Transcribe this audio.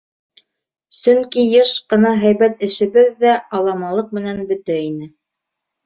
Сөнки йыш ҡына һәйбәт эшебеҙ ҙә аламалыҡ менән бөтә ине.